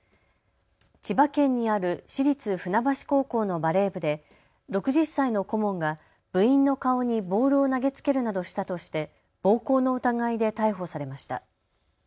千葉県にある市立船橋高校のバレー部で６０歳の顧問が部員の顔にボールを投げつけるなどしたとして暴行の疑いで逮捕されました。